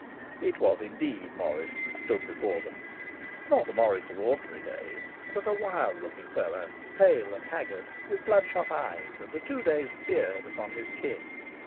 It was indeed Morris that stood before them; not the Morris of ordinary days, but a wild looking fellow, pale and haggard, with bloodshot eyes, and a two days' beard upon his chin.